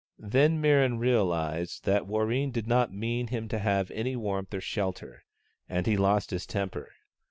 Then Mirran realized that Warreen did not mean him to have any warmth or shelter, and he lost his temper.